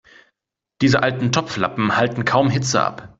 Diese alten Topflappen halten kaum Hitze ab.